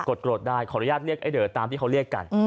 โกรธได้ขออนุญาตเรียกไอ้เดอตามที่เขาเรียกกัน